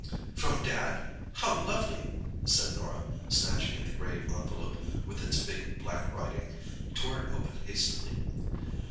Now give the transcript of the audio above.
"From Dad? How lovely!" and Norah, snatching at the grey envelope with its big, black writing, tore it open hastily.